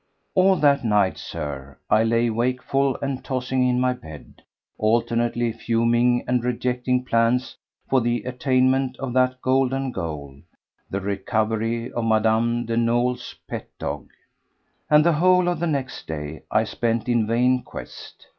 All that night, Sir, I lay wakeful and tossing in my bed, alternately fuming and rejecting plans for the attainment of that golden goal—the recovery of Mme. de Nolé's pet dog. And the whole of the next day I spent in vain quest.